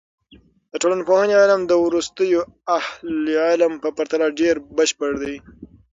د ټولنپوهنې علم د وروستیو اهل علم په پرتله ډېر بشپړ دی.